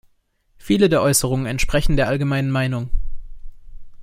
Viele der Äußerungen entsprechen der allgemeinen Meinung.